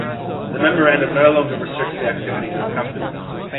The memorandum no longer restricts the activities of a company.